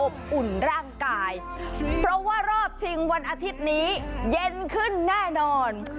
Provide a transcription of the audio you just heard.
อุ่นร่างกายเพราะว่ารอบชิงวันอาทิตย์นี้เย็นขึ้นแน่นอน